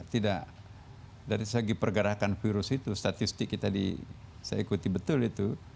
tidak dari segi pergerakan virus itu statistik kita saya ikuti betul itu